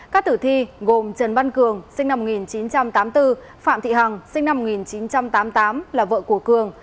các tử thi gồm trần văn cường sinh năm một nghìn chín trăm tám mươi bốn phạm thị hằng sinh năm một nghìn chín trăm tám mươi tám là vợ của cường